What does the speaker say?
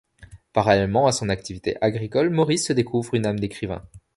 Parallèlement à son activité agricole, Maurice se découvre une âme d'écrivain.